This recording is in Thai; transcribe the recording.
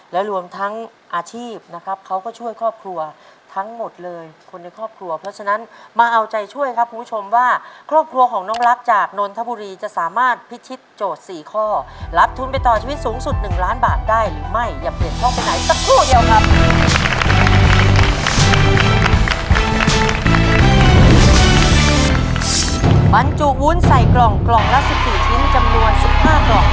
และรวมทั้งอาชีพนะครับเขาก็ช่วยครอบครัวทั้งหมดเลยคนในครอบครัวเพราะฉะนั้นมาเอาใจช่วยครับคุณผู้ชมว่าครอบครัวของน้องรักจากนนทบุรีจะสามารถพิชิตโจทย์๔ข้อรับทุนไปต่อชีวิตสูงสุด๑ล้านบาทได้หรือไม่อย่าเปลี่ยนช่องไปไหนสักครู่เดียวครับ